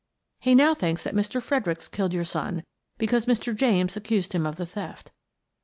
He now thinks that Mr. Fredericks killed your son because Mr. James accused him of the theft.